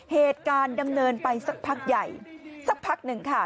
เหตุการณ์ดำเนินไปสักพักใหญ่สักพักหนึ่งค่ะ